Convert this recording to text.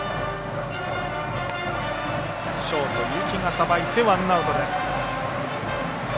ショートの幸がさばいてワンアウト。